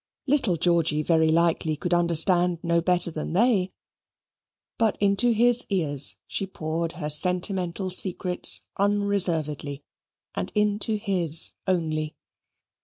Little George very likely could understand no better than they, but into his ears she poured her sentimental secrets unreservedly, and into his only.